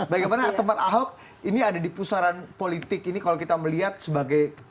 bagaimana teman ahok ini ada di pusaran politik ini kalau kita melihat sebagai